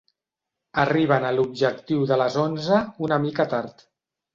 Arriben a l'objectiu de les onze una mica tard.